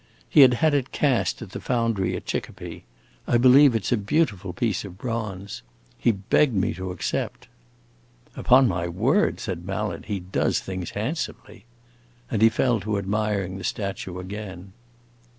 He had had it cast at the foundry at Chicopee; I believe it 's a beautiful piece of bronze. He begged me to accept." "Upon my word," said Mallet, "he does things handsomely!" And he fell to admiring the statue again.